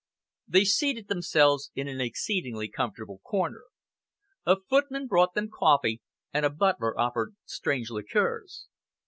They seated themselves in an exceedingly comfortable corner. A footman brought them coffee, and a butler offered strange liqueurs.